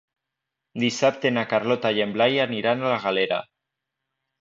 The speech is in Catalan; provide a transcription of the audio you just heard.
Dissabte na Carlota i en Blai aniran a la Galera.